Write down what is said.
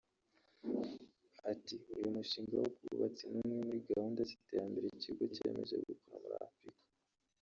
Ati “Uyu mushinga w’ubwubatsi ni umwe muri gahunda z’iterambere ikigo cyiyemeje gukora muri Afurika